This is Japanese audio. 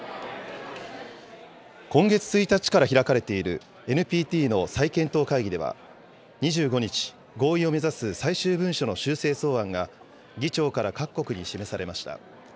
今月１日から開かれているＮＰＴの再検討会議では、２５日、合意を目指す最終文書の修正草案が議長から各国に示されました。